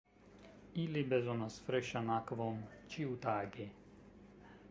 Ili bezonas freŝan akvon ĉiutage.